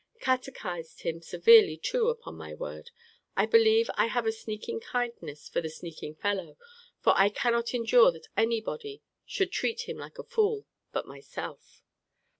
Catechised him severely too, upon my word! I believe I have a sneaking kindness for the sneaking fellow, for I cannot endure that any body should treat him like a fool but myself.